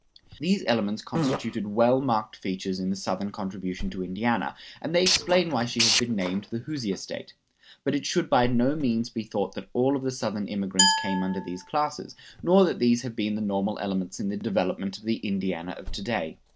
These elements constituted well marked features in the Southern contribution to Indiana, and they explain why she has been named the Hoosier State; but it should by no means be thought that all of the Southern immigrants came under these classes, nor that these have been the normal elements in the development of the Indiana of to day.